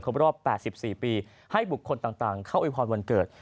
รอบ๘๔ปีให้บุคคลต่างเข้าอวยพรวันเกิด